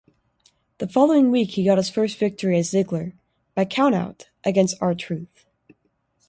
The following week he got his first victory as Ziggler, by countout, against R-Truth.